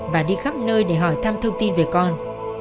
và đi khắp nơi để hỏi thăm thông tin về con